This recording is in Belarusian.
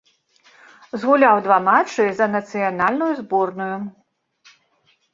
Згуляў два матчы за нацыянальную зборную.